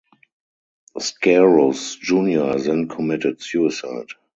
Scaurus Junior then committed suicide.